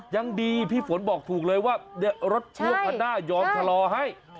ยังดีพี่ฝนบอกถูกเลยว่ารถช่วงคันหน้ายอมชะลอให้